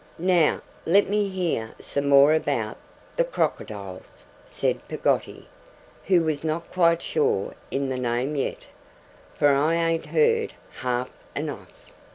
'Now let me hear some more about the Crorkindills,' said Peggotty, who was not quite right in the name yet, 'for I an't heard half enough.